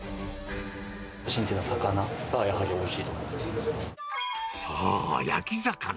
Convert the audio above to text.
新鮮な魚がやはりおいしいとそう、焼き魚。